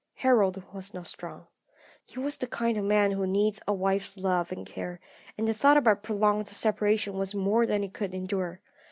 Harold was not strong. He was the kind of man who needs a wife's love and care, and the thought of our prolonged separation was more than he could endure.